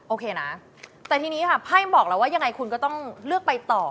โอเคนะแต่ทีนี้ค่ะไพ่บอกแล้วว่ายังไงคุณก็ต้องเลือกไปต่อ